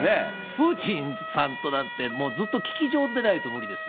プーチンさんとだって、もうずっと聞き上手じゃないとだめですよ。